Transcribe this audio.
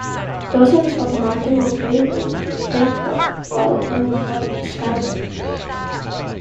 Dozens of marginal railroads went bankrupt while unemployment skyrocketed.